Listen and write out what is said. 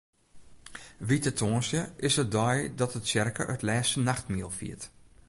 Wite Tongersdei is de dei dat de tsjerke it Lêste Nachtmiel fiert.